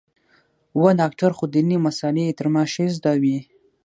و ډاکتر خو ديني مسالې يې تر ما ښې زده وې.